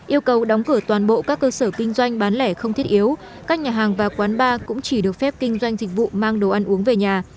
yêu cầu đóng cửa toàn bộ các cơ sở kinh doanh bán lẻ không thiết yếu các nhà hàng và quán bar cũng chỉ được phép kinh doanh dịch vụ mang đồ ăn uống về nhà